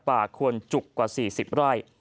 ควรจุกกว่า๔๐ไร่